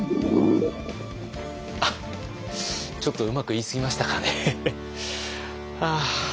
あっちょっとうまく言いすぎましたかね。